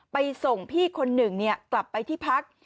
ไปส่งพี่คนหนึ่งกลับไปที่พัก